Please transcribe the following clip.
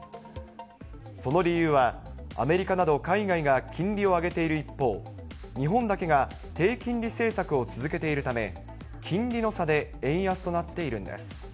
その理由は、アメリカなど海外が金利を上げている一方、日本だけが低金利政策を続けているため、金利の差で円安となっているんです。